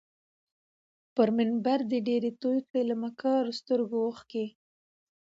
پر منبر دي ډیري توی کړې له مکارو سترګو اوښکي